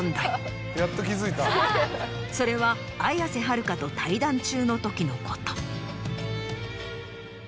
それは綾瀬はるかと対談中のときのこと。